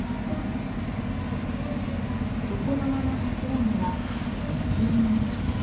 床の間の柱には一位の木。